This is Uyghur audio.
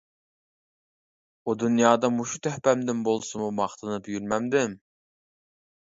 ئۇ دۇنيادا مۇشۇ تۆھپەمدىن بولسىمۇ ماختىنىپ يۈرمەمدىم.